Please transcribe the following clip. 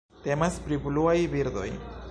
Temas pri bluaj birdoj.